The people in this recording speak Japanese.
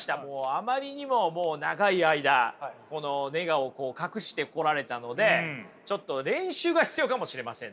あまりにも長い間ネガを隠してこられたのでちょっと練習が必要かもしれませんね。